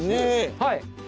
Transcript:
はい。